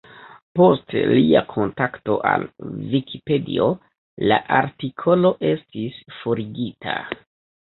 Post lia kontakto al Vikipedio, la artikolo estis forigita.